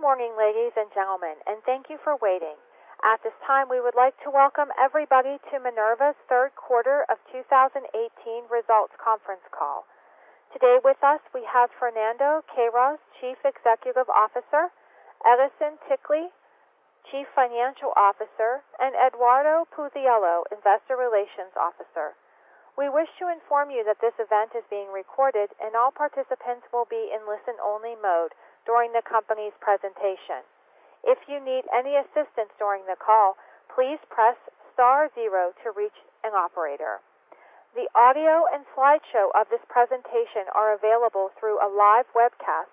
Good morning, ladies and gentlemen, and thank you for waiting. At this time, we would like to welcome everybody to Minerva's third quarter of 2018 results conference call. Today with us, we have Fernando Queiroz, Chief Executive Officer, Edison Ticle, Chief Financial Officer, and Eduardo Puzziello, Investor Relations Officer. We wish to inform you that this event is being recorded, and all participants will be in listen-only mode during the company's presentation. If you need any assistance during the call, please press star zero to reach an operator. The audio and slideshow of this presentation are available through a live webcast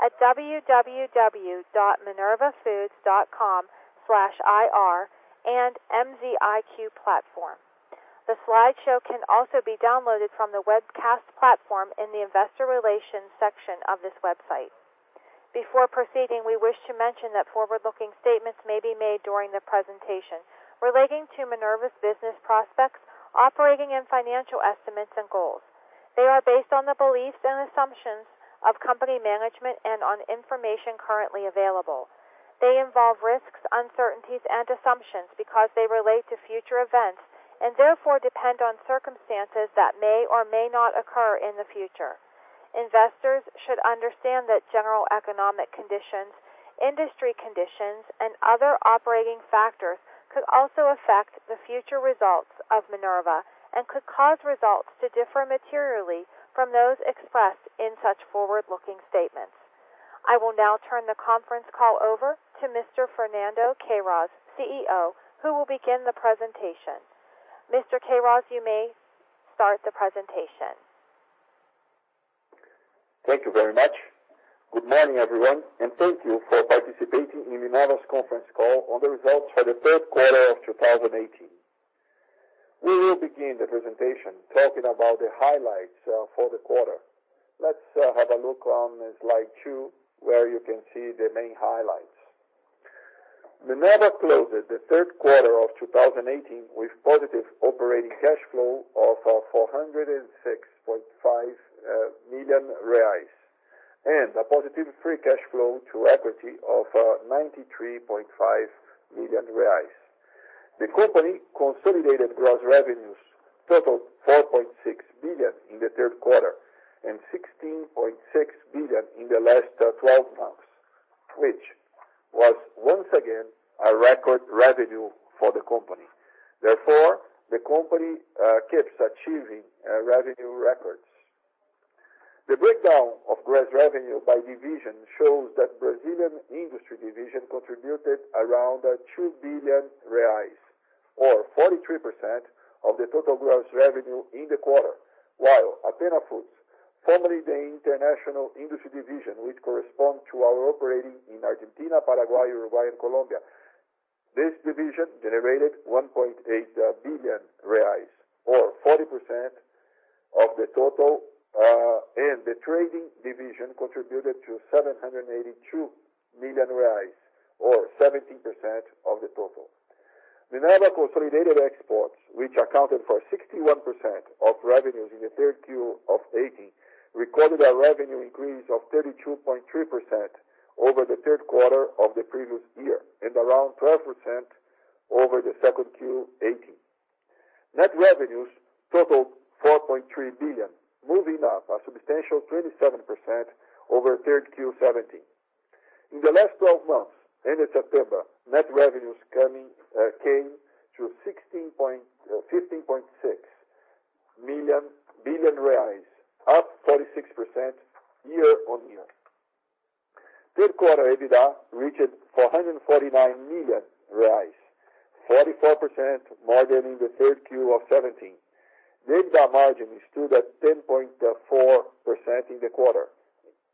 at www.minervafoods.com/ir and MZiQ platform. The slideshow can also be downloaded from the webcast platform in the investor relations section of this website. Before proceeding, we wish to mention that forward-looking statements may be made during the presentation relating to Minerva's business prospects, operating and financial estimates and goals. They are based on the beliefs and assumptions of company management and on information currently available. They involve risks, uncertainties, and assumptions because they relate to future events, and therefore depend on circumstances that may or may not occur in the future. Investors should understand that general economic conditions, industry conditions, and other operating factors could also affect the future results of Minerva and could cause results to differ materially from those expressed in such forward-looking statements. I will now turn the conference call over to Mr. Fernando Queiroz, CEO, who will begin the presentation. Mr. Queiroz, you may start the presentation. Thank you very much. Good morning, everyone, and thank you for participating in Minerva's conference call on the results for the third quarter of 2018. We will begin the presentation talking about the highlights for the quarter. Let's have a look on slide two, where you can see the main highlights. Minerva closed the third quarter of 2018 with positive operating cash flow of 406.5 million reais and a positive free cash flow to equity of 93.5 million reais. The company consolidated gross revenues totaled 4.6 billion in the third quarter and 16.6 billion in the last 12 months, which was once again a record revenue for the company. Therefore, the company keeps achieving revenue records. The breakdown of gross revenue by division shows that Brazilian industry division contributed around 2 billion reais or 43% of the total gross revenue in the quarter, while Athena Foods, formerly the international industry division, which correspond to our operating in Argentina, Paraguay, Uruguay, and Colombia. This division generated 1.8 billion reais or 40% of the total, and the trading division contributed to 782 million reais or 17% of the total. Minerva consolidated exports, which accounted for 61% of revenues in the third Q of 2018, recorded a revenue increase of 32.3% over the third quarter of the previous year and around 12% over the second Q 2018. Net revenues totaled 4.3 billion, moving up a substantial 27% over third Q 2017. In the last 12 months ended September, net revenues came to BRL 15.6 billion, up 36% year-on-year. Third quarter EBITDA reached 449 million, 44% more than in the third Q of 2017. The EBITDA margin stood at 10.4% in the quarter.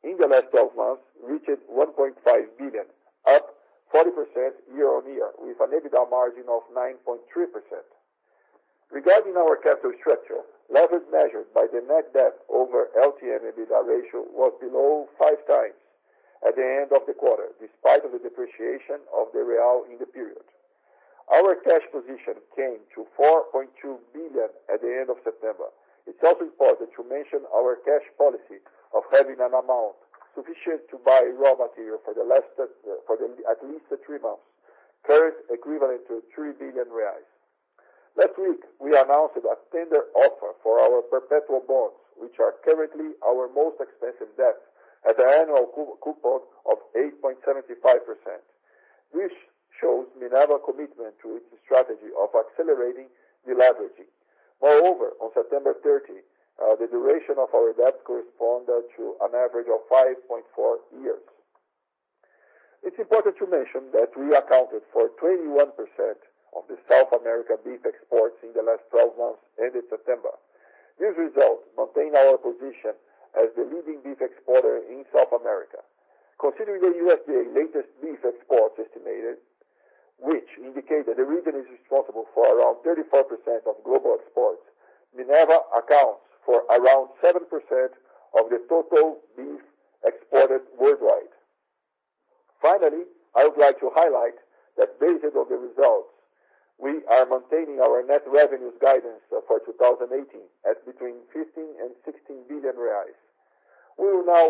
In the last 12 months, reached 1.5 billion, up 40% year-over-year with an EBITDA margin of 9.3%. Regarding our capital structure, leverage measured by the net debt over LTM EBITDA ratio was below five times at the end of the quarter, despite the depreciation of the BRL in the period. Our cash position came to 4.2 billion at the end of September. It is also important to mention our cash policy of having an amount sufficient to buy raw material for at least three months, current equivalent to 3 billion reais. Last week, we announced a tender offer for our perpetual bonds, which are currently our most expensive debt at an annual coupon of 8.75%, which shows Minerva's commitment to its strategy of accelerating deleveraging. Moreover, on September 30, the duration of our debt corresponded to an average of 5.4 years. It is important to mention that we accounted for 21% of the South American beef exports in the last 12 months ended September. This result maintained our position as the leading beef exporter in South America. Considering the USDA's latest beef exports estimated, which indicate that the region is responsible for around 34% of global exports, Minerva accounts for around 7% of the total beef exported worldwide. Finally, I would like to highlight that based on the results, we are maintaining our net revenues guidance for 2018 at between 15 billion and 16 billion reais. We will now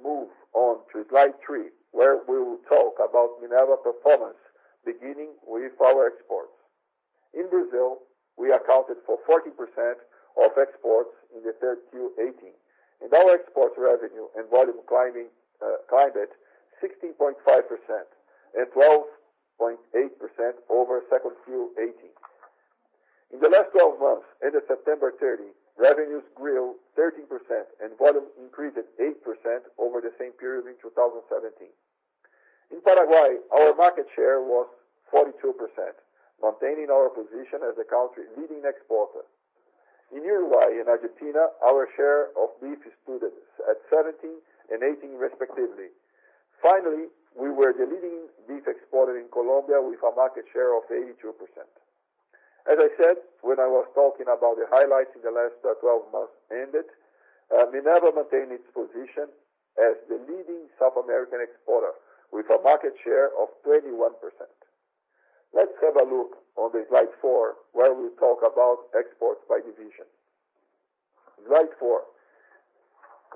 move on to slide three, where we will talk about Minerva performance, beginning with our exports. In Brazil, we accounted for 40% of exports in the third Q 2018, and our export revenue and volume climbed 16.5% and 12.8% over second Q 2018. In the last 12 months, ended September 30, revenues grew 13% and volume increased 8% over the same period in 2017. In Paraguay, our market share was 42%, maintaining our position as the country's leading exporter. In Uruguay and Argentina, our share of beef stood at 17% and 18% respectively. Finally, we were the leading beef exporter in Colombia with a market share of 82%. As I said, when I was talking about the highlights in the last 12 months ended, Minerva maintained its position as the leading South American exporter, with a market share of 21%. Let's have a look on slide four, where we talk about exports by division. Slide four.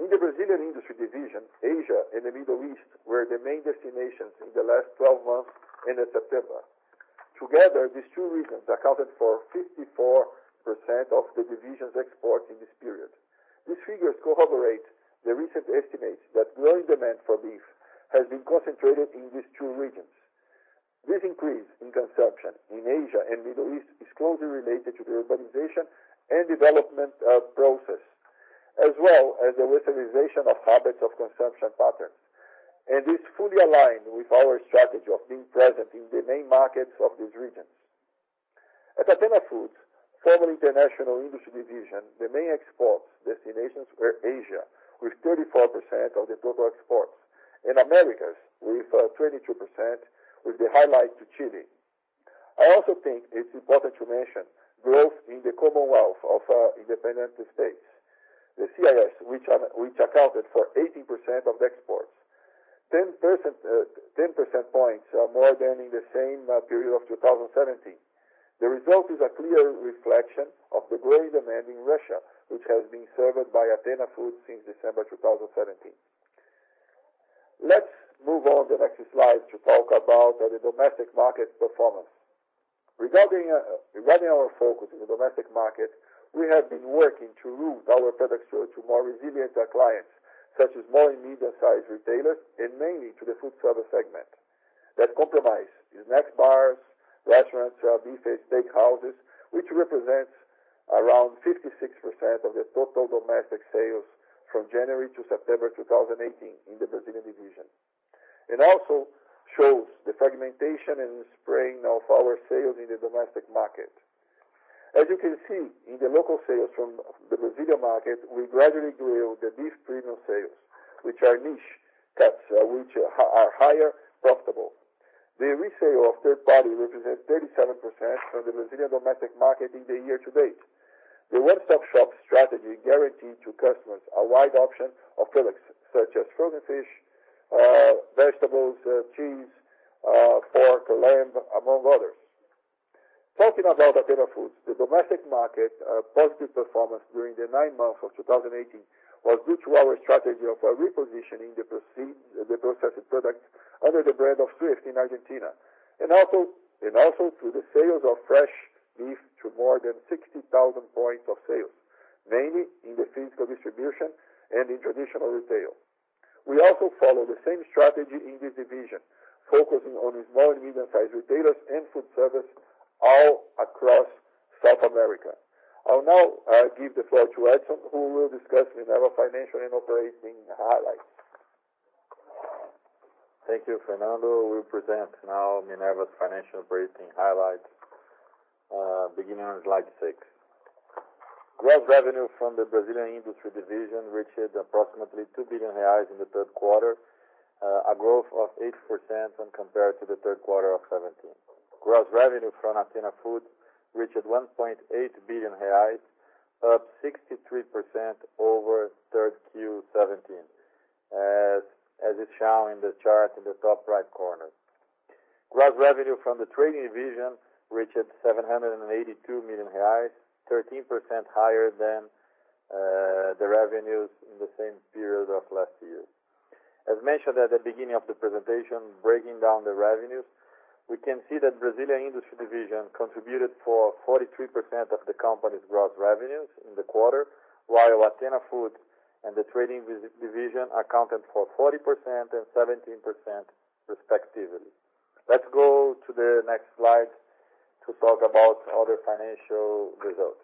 In the Brazilian industry division, Asia and the Middle East were the main destinations in the last 12 months ended September. Together, these two regions accounted for 54% of the division's exports in this period. These figures corroborate the recent estimates that growing demand for beef has been concentrated in these two regions. This increase in consumption in Asia and the Middle East is closely related to the urbanization and development process, as well as the Westernization of habits of consumption patterns, and is fully aligned with our strategy of being present in the main markets of these regions. At Athena Foods, former International Industry division, the main export destinations were Asia, with 34% of the total exports, and Americas with 22%, with the highlight to Chile. I also think it's important to mention growth in the Commonwealth of Independent States, the CIS, which accounted for 18% of the exports, 10% points more than in the same period of 2017. The result is a clear reflection of the great demand in Russia, which has been served by Athena Foods since December 2017. Let's move on to the next slide to talk about the domestic market performance. Regarding our focus on the domestic market, we have been working to route our product share to more resilient clients, such as small and medium-sized retailers, and mainly to the food service segment. That comprise snack bars, restaurants, buffets, steakhouses, which represents around 56% of the total domestic sales from January to September 2018 in the Brazilian division. It also shows the fragmentation and the spread of our sales in the domestic market. As you can see, in the local sales from the Brazilian market, we gradually grew the beef premium sales, which are niche cuts, which are higher profitable. The resale of third party represents 37% from the Brazilian domestic market in the year to date. The one-stop shop strategy guaranteed to customers a wide option of products such as frozen fish, vegetables, cheese, pork, lamb, among others. Talking about Athena Foods, the domestic market positive performance during the nine months of 2018 was due to our strategy of repositioning the processed products under the brand of Swift in Argentina, and also through the sales of fresh beef to more than 60,000 points of sales, mainly in the physical distribution and in traditional retail. We also follow the same strategy in this division, focusing on small and medium-sized retailers and food service all across South America. I'll now give the floor to Edison, who will discuss Minerva financial and operating highlights. Thank you, Fernando. We present now Minerva's financial operating highlights, beginning on slide six. Gross revenue from the Brazilian industry division reached approximately 2 billion reais in the third quarter, a growth of 8% when compared to the third quarter of 2017. Gross revenue from Athena Foods reached 1.8 billion reais, up 63% over third quarter 2017, as is shown in the chart in the top-right corner. Gross revenue from the trading division reached 782 million reais, 13% higher than the revenues in the same period of last year. As mentioned at the beginning of the presentation, breaking down the revenues, we can see that Brazilian industry division contributed for 43% of the company's gross revenues in the quarter, while Athena Foods and the trading division accounted for 40% and 17% respectively. Let's go to the next slide to talk about other financial results.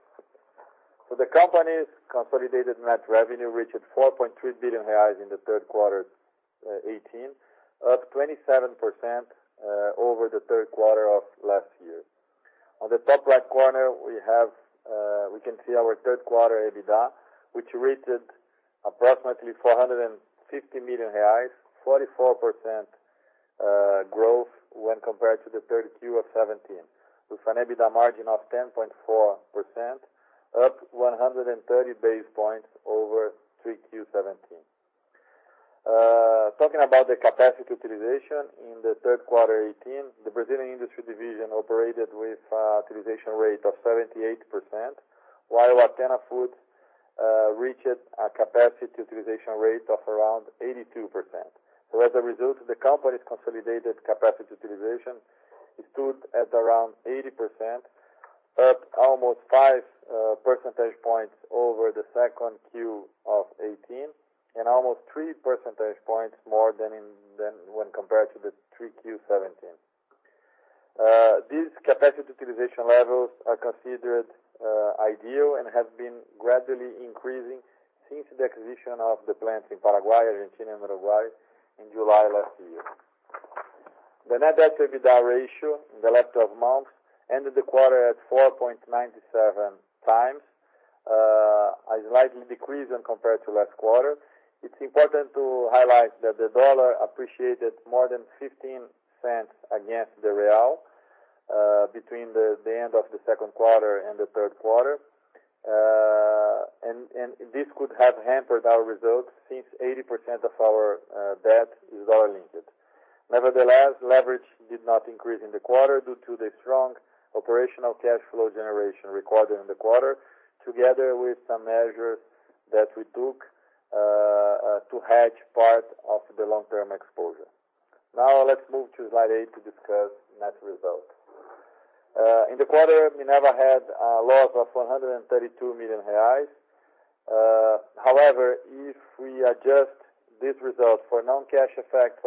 The company's consolidated net revenue reached 4.3 billion reais in the third quarter 2018, up 27% over the third quarter of last year. On the top-right corner, we can see our third quarter EBITDA, which reached approximately 450 million reais, 44% growth when compared to the third quarter of 2017, with an EBITDA margin of 10.4%, up 130 basis points over third quarter 2017. Talking about the capacity utilization in the third quarter 2018, the Brazilian industry division operated with utilization rate of 78%, while Athena Foods reached a capacity utilization rate of around 82%. As a result, the company's consolidated capacity utilization stood at around 80%, up almost five percentage points over the second quarter of 2018, and almost three percentage points more than when compared to the third quarter 2017. These capacity utilization levels are considered ideal and have been gradually increasing since the acquisition of the plants in Paraguay, Argentina, and Uruguay in July last year. The net debt-to-EBITDA ratio in the last 12 months ended the quarter at 4.97 times, a slight decrease when compared to last quarter. It's important to highlight that the U.S. dollar appreciated more than $0.15 against the real between the end of the second quarter and the third quarter. This could have hampered our results since 80% of our debt is U.S. dollar-linked. Nevertheless, leverage did not increase in the quarter due to the strong operational cash flow generation recorded in the quarter, together with some measures that we took to hedge part of the long-term exposure. Let's move to slide eight to discuss net results. In the quarter, Minerva had a loss of 132 million reais. However, if we adjust these results for non-cash effects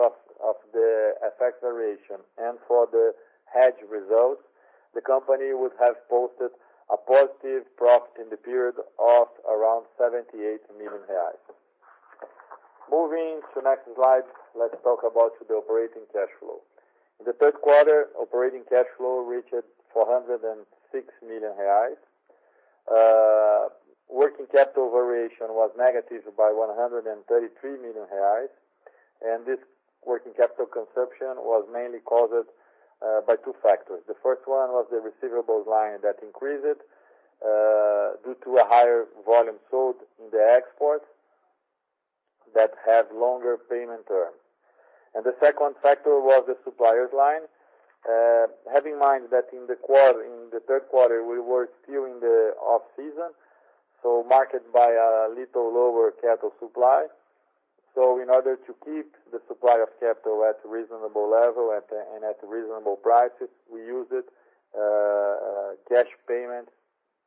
of the FX variation and for the hedged results, the company would have posted a positive profit in the period of around 78 million reais. Moving to next slide, let's talk about the operating cash flow. In the third quarter, operating cash flow reached 406 million reais. Working capital variation was negative by 133 million reais, and this working capital consumption was mainly caused by two factors. The first one was the receivables line that increased due to a higher volume sold in the export that have longer payment terms. The second factor was the suppliers line. Have in mind that in the third quarter, we were still in the off-season, marked by a little lower cattle supply. In order to keep the supply of cattle at a reasonable level and at reasonable prices, we used cash payment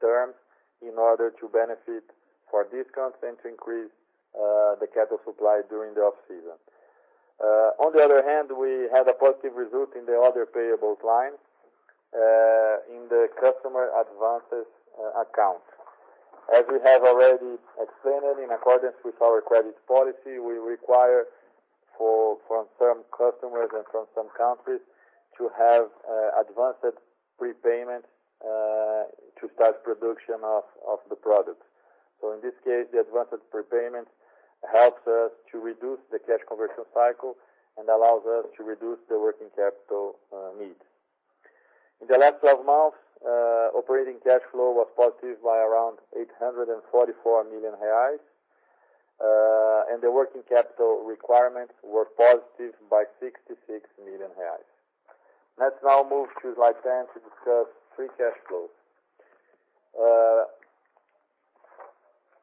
terms in order to benefit for discounts and to increase the cattle supply during the off-season. On the other hand, we had a positive result in the other payables line, in the customer advances account. As we have already explained, in accordance with our credit policy, we require from some customers and from some countries to have advanced prepayments to start production of the product. In this case, the advanced prepayment helps us to reduce the cash conversion cycle and allows us to reduce the working capital needs. In the last 12 months, operating cash flow was positive by around 844 million reais, and the working capital requirements were positive by 66 million reais. Let's now move to slide 10 to discuss free cash flow.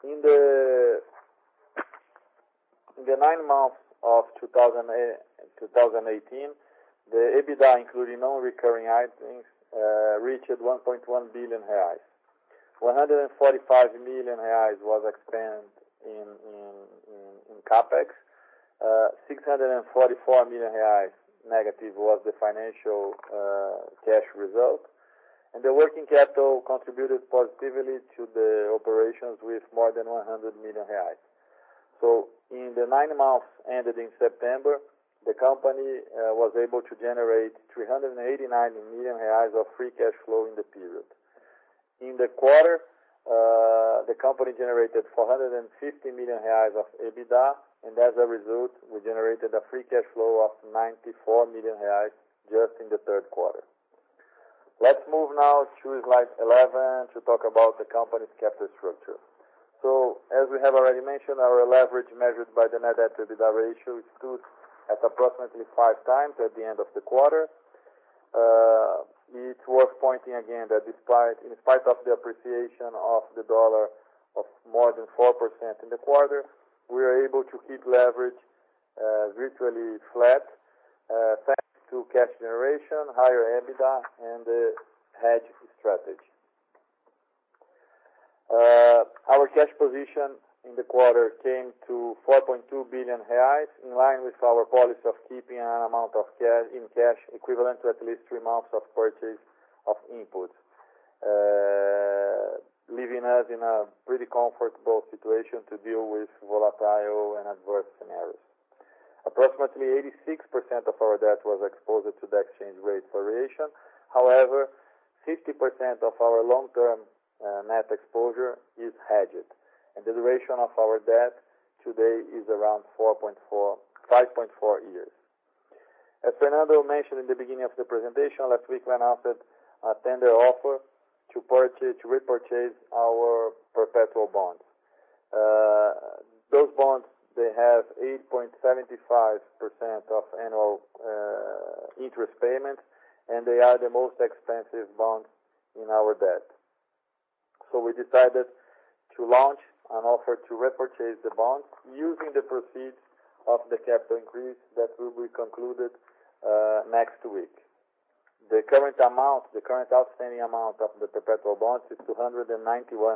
In the nine months of 2018, the EBITDA, including non-recurring items, reached 1.1 billion reais. 145 million reais was spent in CapEx. 644 million reais negative was the financial cash result. The working capital contributed positively to the operations with more than 100 million reais. In the nine months ended in September, the company was able to generate 389 million reais of free cash flow in the period. In the quarter, the company generated 450 million reais of EBITDA, and as a result, we generated a free cash flow of 94 million reais just in the third quarter. Let's move now to slide 11 to talk about the company's capital structure. As we have already mentioned, our leverage measured by the net debt to EBITDA ratio stood at approximately five times at the end of the quarter. It's worth pointing again that in spite of the appreciation of the U.S. dollar of more than 4% in the quarter, we were able to keep leverage virtually flat, thanks to cash generation, higher EBITDA, and the hedge strategy. Our cash position in the quarter came to 4.2 billion reais, in line with our policy of keeping an amount in cash equivalent to at least three months of purchase of inputs, leaving us in a pretty comfortable situation to deal with volatile and adverse scenarios. Approximately 86% of our debt was exposed to the exchange rate variation. However, 50% of our long-term net exposure is hedged, and the duration of our debt today is around 5.4 years. As Fernando mentioned in the beginning of the presentation, last week we announced a tender offer to repurchase our perpetual bonds. Those bonds, they have 8.75% of annual interest payment, and they are the most expensive bonds in our debt. We decided to launch an offer to repurchase the bonds using the proceeds of the capital increase that will be concluded next week. The current outstanding amount of the perpetual bonds is $291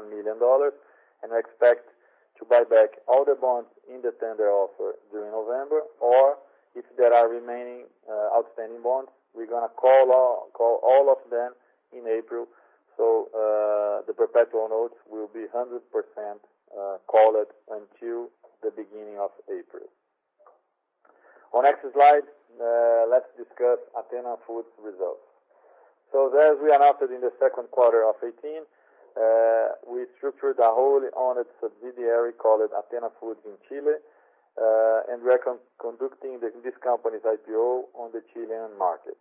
million, and we expect to buy back all the bonds in the tender offer during November, or if there are remaining outstanding bonds, we're going to call all of them in April, so the perpetual notes will be 100% called until the beginning of April. On next slide, let's discuss Athena Foods results. As we announced in the second quarter of 2018, we structured a wholly-owned subsidiary called Athena Foods in Chile, and we're conducting this company's IPO on the Chilean market.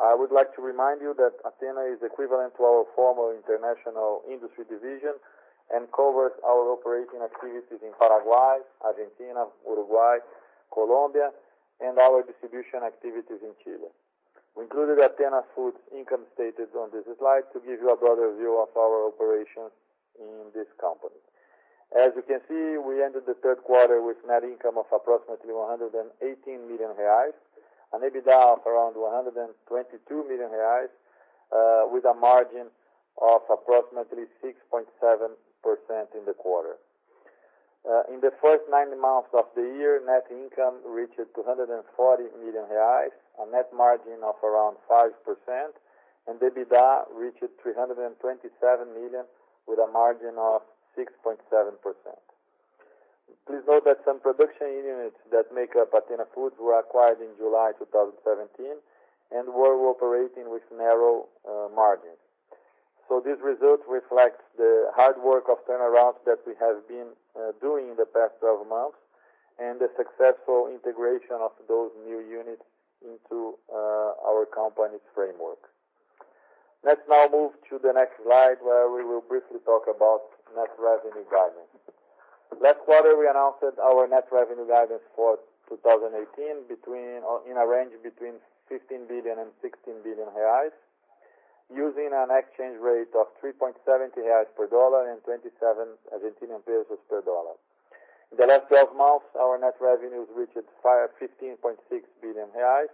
I would like to remind you that Athena is equivalent to our former international industry division and covers our operating activities in Paraguay, Argentina, Uruguay, Colombia, and our distribution activities in Chile. We included Athena Foods income stated on this slide to give you a broader view of our operations in this company. As you can see, we ended the third quarter with net income of approximately 118 million reais, an EBITDA of around 122 million reais, with a margin of approximately 6.7% in the quarter. In the first nine months of the year, net income reached 240 million reais, a net margin of around 5%, and the EBITDA reached 327 million, with a margin of 6.7%. Please note that some production units that make up Athena Foods were acquired in July 2017 and were operating with narrow margins. This result reflects the hard work of turnarounds that we have been doing in the past 12 months and the successful integration of those new units into our company's framework. Let's now move to the next slide, where we will briefly talk about net revenue guidance. Last quarter, we announced our net revenue guidance for 2018 in a range between 15 billion and 16 billion reais, using an exchange rate of 3.70 reais per USD and 27 Argentine pesos per USD. In the last 12 months, our net revenues reached 15.6 billion reais.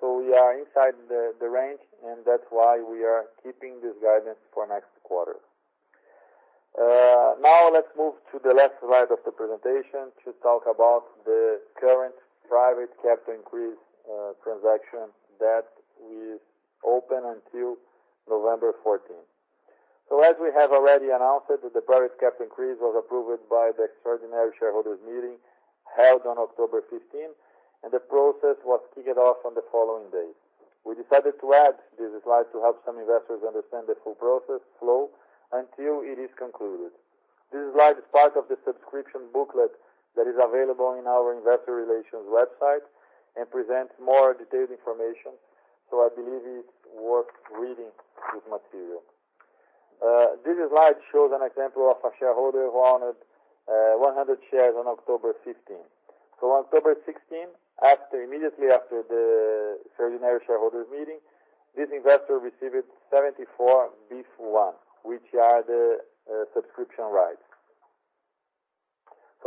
We are inside the range, and that's why we are keeping this guidance for next quarter. Let's move to the last slide of the presentation to talk about the current private capital increase transaction that is open until November 14th. As we have already announced, the private capital increase was approved by the extraordinary shareholders meeting held on October 15, and the process was kicked off on the following day. We decided to add this slide to help some investors understand the full process flow until it is concluded. This slide is part of the subscription booklet that is available on our investor relations website and presents more detailed information, I believe it's worth reading this material. This slide shows an example of a shareholder who owned 100 shares on October 15. On October 16, immediately after the extraordinary shareholders meeting, this investor received 74 BEEF1, which are the subscription rights.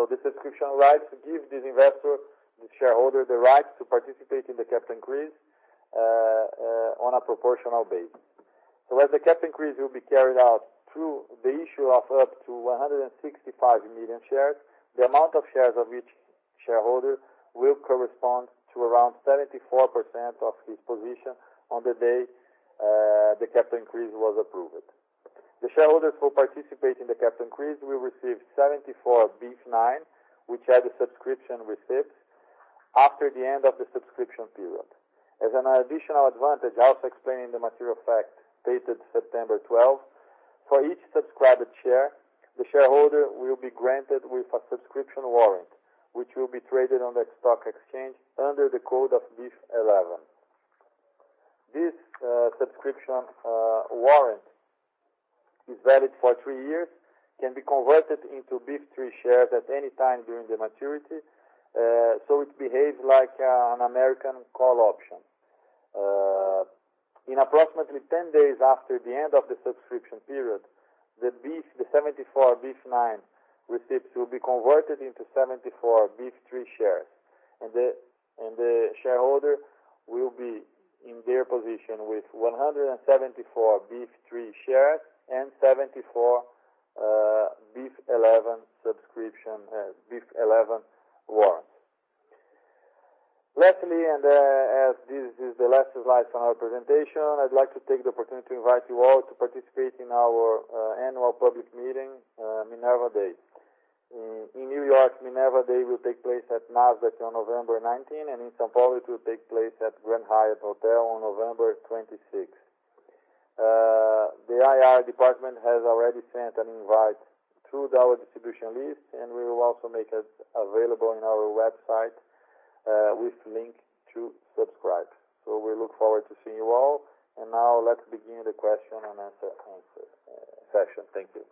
The subscription rights give this investor, the shareholder, the right to participate in the capital increase on a proportional basis. As the capital increase will be carried out through the issue of up to 165 million shares, the amount of shares of each shareholder will correspond to around 74% of his position on the day the capital increase was approved. The shareholders who participate in the capital increase will receive 74 BEEF9, which are the subscription receipts, after the end of the subscription period. As an additional advantage, also explained in the material fact dated September 12, for each subscribed share, the shareholder will be granted with a subscription warrant, which will be traded on the stock exchange under the code of BEEF11. This subscription warrant is valid for three years, can be converted into BEEF3 shares at any time during the maturity, it behaves like an American call option. In approximately 10 days after the end of the subscription period, the 74 BEEF9 receipts will be converted into 74 BEEF3 shares, and the shareholder will be in their position with 174 BEEF3 shares and 74 BEEF11 warrants. Lastly, as this is the last slide for our presentation, I'd like to take the opportunity to invite you all to participate in our annual public meeting, Minerva Day. In New York, Minerva Day will take place at NASDAQ on November 19, and in São Paulo, it will take place at Grand Hyatt Hotel on November 26. The IR department has already sent an invite through our distribution list, and we will also make it available on our website with link to subscribe. We look forward to seeing you all, and now let's begin the question-and-answer session. Thank you.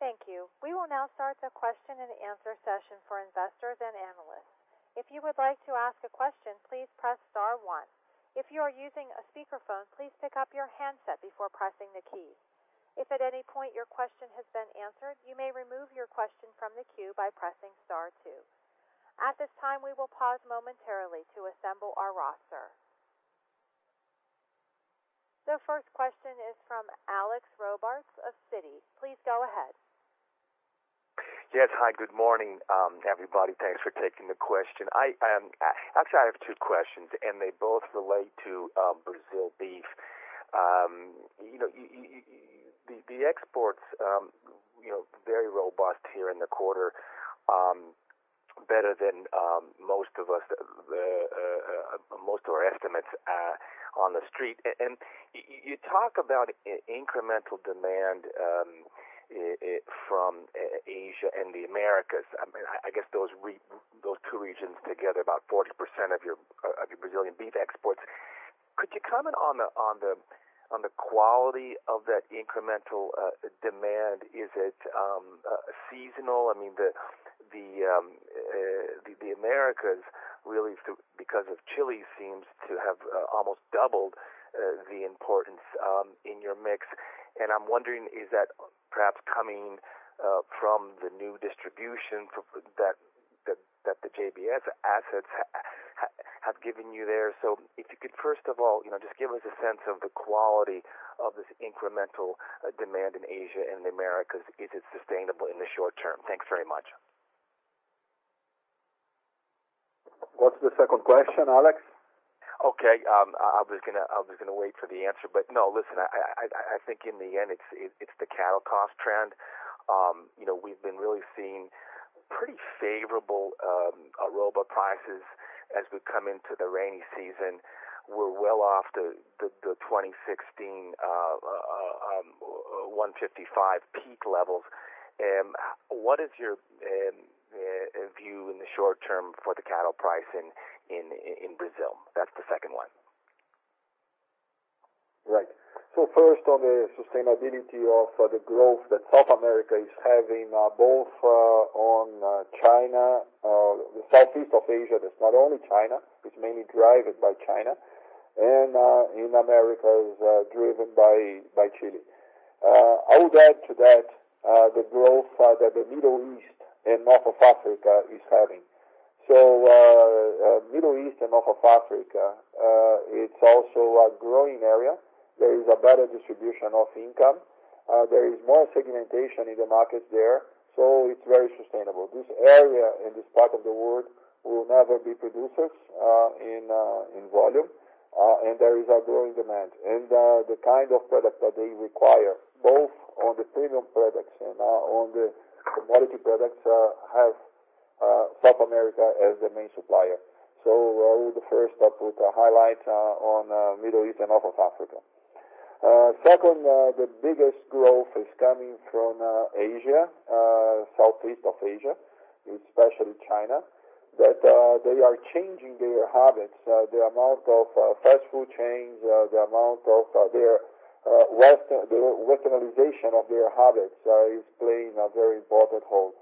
Thank you. We will now start the question-and-answer session for investors and analysts. If you would like to ask a question, please press star one. If you are using a speakerphone, please pick up your handset before pressing the key. If at any point your question has been answered, you may remove your question from the queue by pressing star two. At this time, we will pause momentarily to assemble our roster. The first question is from Alexander Robarts of Citi. Please go ahead. Yes. Hi, good morning, everybody. Thanks for taking the question. Actually, I have two questions, and they both relate to Brazil beef. The exports, very robust here in the quarter, better than most of our estimates on The Street. You talk about incremental demand from Asia and the Americas. I guess those two regions together, about 40% of your Brazilian beef exports. Could you comment on the quality of that incremental demand? Is it seasonal? I mean, the Americas really, because of Chile, seems to have almost doubled the importance in your mix, and I'm wondering, is that perhaps coming from the new distribution that the JBS assets have given you there? If you could first of all, just give us a sense of the quality of this incremental demand in Asia and the Americas. Is it sustainable in the short term? Thanks very much. What's the second question, Alex? Okay. No, listen, I think in the end, it's the cattle cost trend. We've been really seeing pretty favorable arroba prices as we come into the rainy season. We're well off the 2016, 155 peak levels. What is your view in the short term for the cattle price in Brazil? That's the second one. Right. First, on the sustainability of the growth that South America is having, both on China, Southeast Asia, that's not only China. It's mainly driven by China, and in Americas, driven by Chile. I would add to that the growth that the Middle East and North Africa is having. Middle East and North Africa, it's also a growing area. There is a better distribution of income. There is more segmentation in the markets there, it's very sustainable. This area in this part of the world will never be producers in volume, there is a growing demand. The kind of product that they require, both on the premium products and on the commodity products, have South America as the main supplier. I would first up put a highlight on Middle East and North Africa. Second, the biggest growth is coming from Asia, Southeast Asia, especially China. That they are changing their habits, the amount of fast food chains, the westernization of their habits is playing a very important role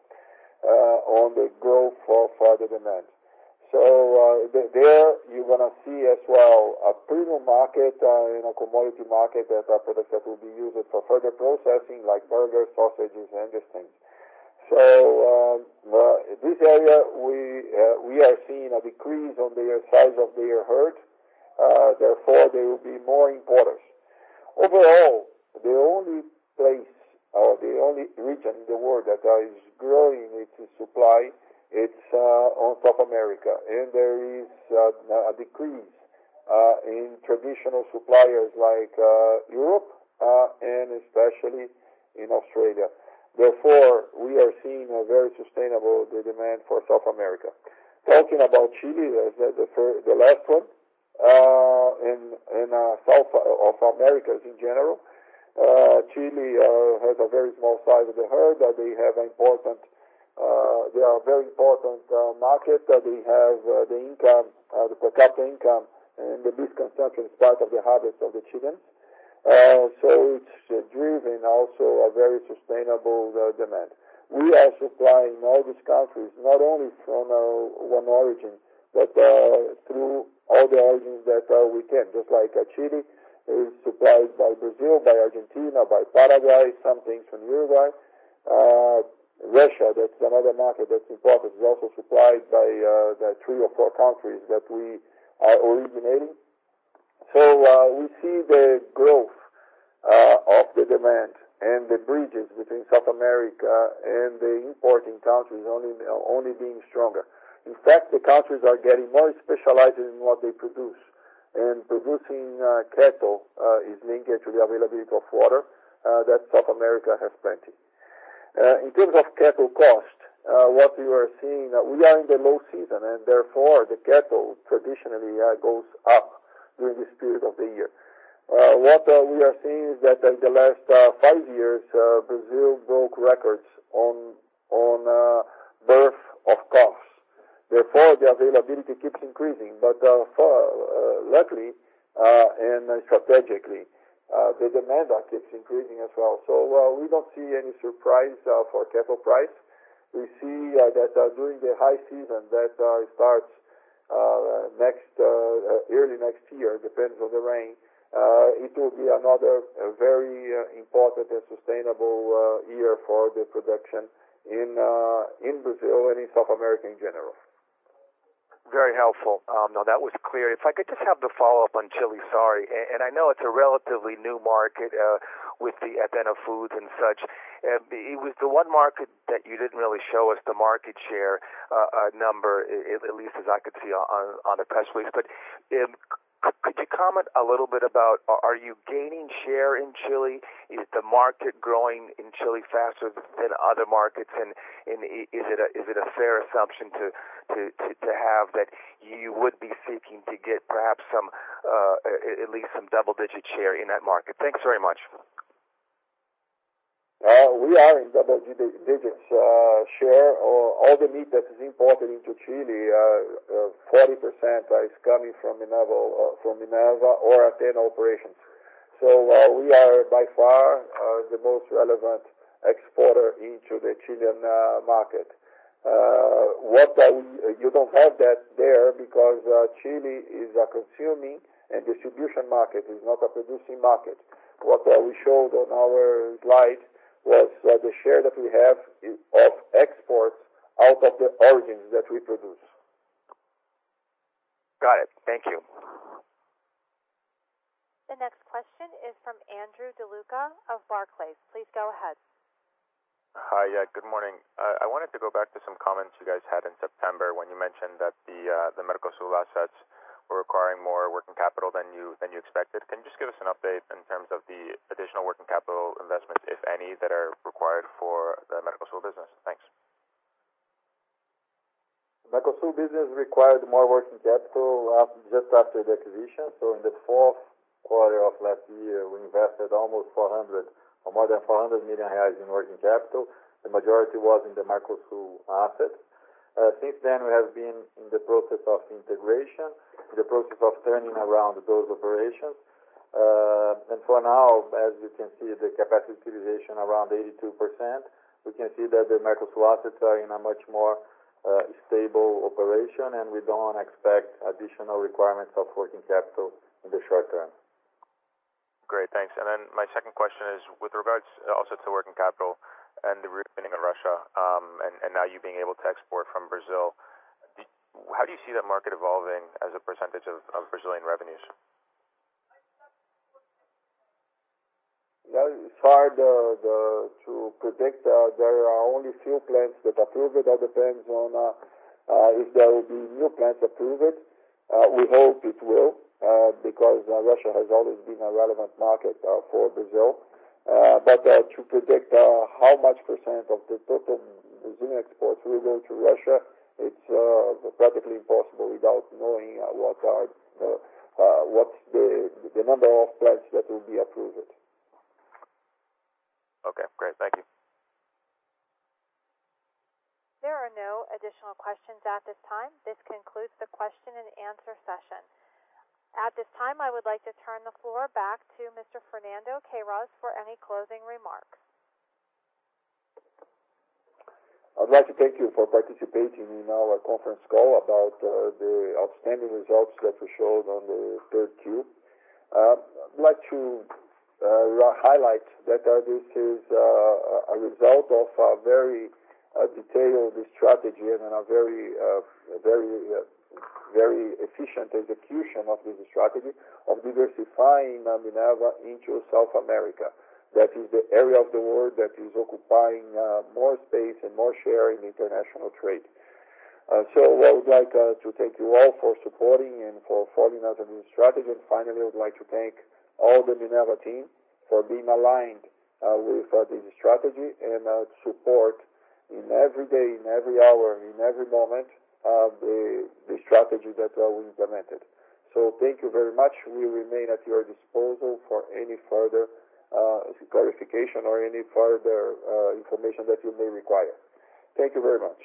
on the growth of further demand. There you're going to see as well a premium market in a commodity market that our products that will be used for further processing like burgers, sausages, and these things. This area, we are seeing a decrease on their size of their herd, therefore, they will be more importers. Overall, the only place or the only region in the world that is growing its supply, it's on South America, and there is a decrease in traditional suppliers like Europe, and especially in Australia. We are seeing a very sustainable demand for South America. Talking about Chile, the last one, South America in general, Chile has a very small size of the herd, they are a very important market. They have the per capita income, the beef consumption is part of the habits of the Chileans. It's driven also a very sustainable demand. We are supplying all these countries, not only from one origin, but through all the origins that we can. Just like Chile is supplied by Brazil, by Argentina, by Paraguay, some things from Uruguay. Russia, that's another market that's important, is also supplied by the three or four countries that we are originating. We see the growth of the demand and the bridges between South America and the importing countries only being stronger. The countries are getting more specialized in what they produce, producing cattle is linked to the availability of water that South America has plenty. In terms of cattle cost, what we are seeing, we are in the low season, therefore, the cattle traditionally goes up during this period of the year. What we are seeing is that in the last five years, Brazil broke records on birth of calves. The availability keeps increasing. Luckily and strategically, the demand keeps increasing as well. We don't see any surprise for cattle price. We see that during the high season that starts early next year, depends on the rain, it will be another very important and sustainable year for the production in Brazil and in South America in general. Very helpful. That was clear. If I could just have the follow-up on Chile. Sorry, I know it's a relatively new market with the Athena Foods and such. It was the one market that you didn't really show us the market share number, at least as I could see on the press release. Could you comment a little bit about are you gaining share in Chile? Is the market growing in Chile faster than other markets, and is it a fair assumption to have that you would be seeking to get perhaps at least some double-digit share in that market? Thanks very much. We are in double-digit share. All the meat that is imported into Chile, 40% is coming from Minerva or Athena operations. We are by far the most relevant exporter into the Chilean market. You don't have that there because Chile is a consuming and distribution market. It's not a producing market. What we showed on our slide was the share that we have of exports out of the origins that we produce. Got it. Thank you. The next question is from Andrew DeLuca of Barclays. Please go ahead. Hi. Good morning. I wanted to go back to some comments you guys had in September when you mentioned that the Mercosur assets were requiring more working capital than you expected. Can you just give us an update in terms of the additional working capital investments, if any, that are required for the Mercosur business? Thanks. Mercosur business required more working capital just after the acquisition. In the fourth quarter of last year, we invested almost 400 million or more than 400 million reais in working capital. The majority was in the Mercosur assets. Since then, we have been in the process of integration, the process of turning around those operations. For now, as you can see, the capacity utilization around 82%. We can see that the Mercosur assets are in a much more stable operation, and we don't expect additional requirements of working capital in the short term. Great, thanks. My second question is with regard also to working capital and the reopening of Russia, and now you being able to export from Brazil. How do you see that market evolving as a percentage of Brazilian revenues? It's hard to predict. There are only few plants that approve it. That depends on if there will be new plants approved. We hope it will, because Russia has always been a relevant market for Brazil. To predict how much % of the total Brazilian exports will go to Russia, it's practically impossible without knowing what's the number of plants that will be approved. Okay, great. Thank you. There are no additional questions at this time. This concludes the question and answer session. At this time, I would like to turn the floor back to Mr. Fernando Queiroz for any closing remarks. I'd like to thank you for participating in our conference call about the outstanding results that we showed on the third Q. I'd like to highlight that this is a result of a very detailed strategy and a very efficient execution of this strategy of diversifying Minerva into South America. That is the area of the world that is occupying more space and more share in international trade. I would like to thank you all for supporting and for following us on this strategy. Finally, I would like to thank all the Minerva team for being aligned with this strategy and support in every day, in every hour, in every moment, of the strategy that we implemented. Thank you very much. We remain at your disposal for any further clarification or any further information that you may require. Thank you very much.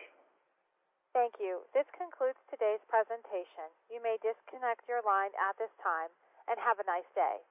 Thank you. This concludes today's presentation. You may disconnect your line at this time, and have a nice day.